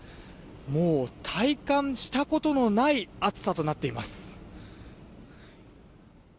もう、体感したことのない暑さとなっています。